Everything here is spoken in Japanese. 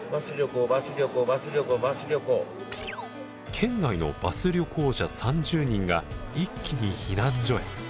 県外のバス旅行者３０人が一気に避難所へ。